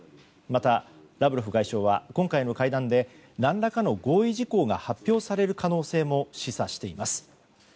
また、ラブロフ外相は今回の会談で何らかの合意事項が発表される可能性も示唆しています。